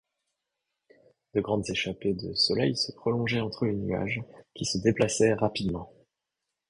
De grandes échappées de soleil se prolongeaient entre les nuages qui se déplaçaient rapidement.